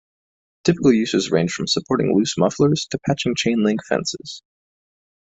Typical uses range from supporting loose mufflers to patching chain-link fences.